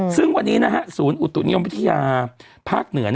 ซึ่งวันนี้ศูนย์อุตุนิยมวิทยาภาคเหนือ